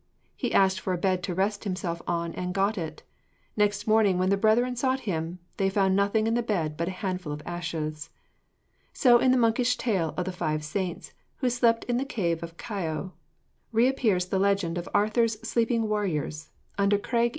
He asked for a bed to rest himself on and got it. Next morning when the brethren sought him, they found nothing in the bed but a handful of ashes. So in the monkish tale of the five saints, who sleep in the cave of Caio, reappears the legend of Arthur's sleeping warriors under Craig y Ddinas.